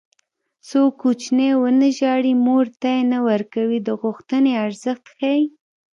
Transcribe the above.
څو کوچنی ونه ژاړي مور تی نه ورکوي د غوښتنې ارزښت ښيي